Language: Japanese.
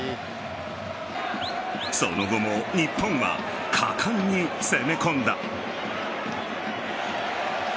その後も日本は果敢に攻め込んだ。